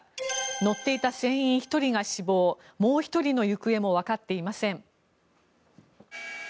乗っていた船員１人が死亡もう１人の行方もわかっていません。